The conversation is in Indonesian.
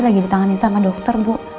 lagi ditanganin sama dokter bu